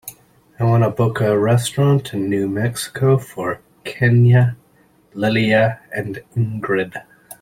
I want to book a restaurant in New Mexico for kenya, lilia and ingrid.